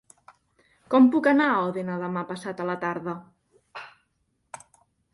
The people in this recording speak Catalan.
Com puc anar a Òdena demà passat a la tarda?